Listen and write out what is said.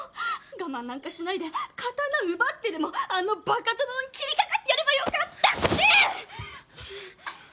我慢なんかしないで刀奪ってでもあの馬鹿殿に斬りかかってやればよかったって！！